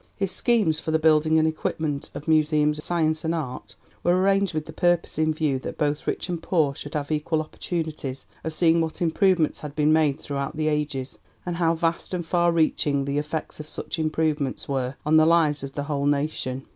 His schemes for the building and equipment of Museums of Science and Art were arranged with the purpose in view that both rich and poor should have equal opportunities of seeing what improvements had been made throughout the ages, and how vast and far reaching the effects of such improvements were on the lives of the whole nation.